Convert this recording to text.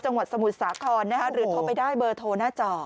จังหวัดสมุษย์สาครนะครับหรือโทรไปได้เปอร์โทรหน้าจอ